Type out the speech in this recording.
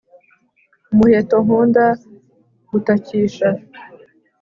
Umuheto nkunda gutakisha